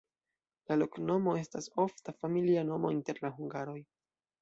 La loknomo estas ofta familia nomo inter la hungaroj.